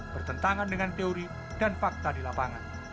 bertentangan dengan teori dan fakta di lapangan